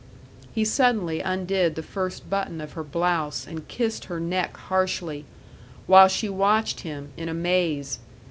He suddenly undid the first button of her blouse and kissed her neck harshly, while she watched him, in a maze.